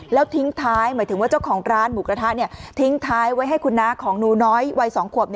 แล้วทิ้งท้ายหมายถึงว่าเจ้าของร้านหมูกระทะทิ้งท้ายไว้ให้คุณน้าของหนูน้อยวัย๒ขวบ